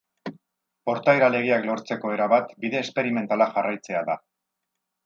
Portaera-legeak lortzeko era bat bide esperimentala jarraitzea da.